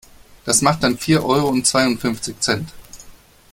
Das macht dann vier Euro und zweiundfünfzig Cent.